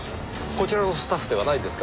こちらのスタッフではないんですか？